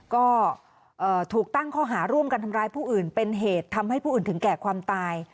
ก็ถูกตั้งข้อหาร่วมกันทำร้ายผู้อื่นเป็นเหตุทำให้ผู้อื่นถึงแก่ความตาย